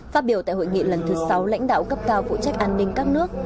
phát biểu tại hội nghị lần thứ sáu lãnh đạo cấp cao phụ trách an ninh các nước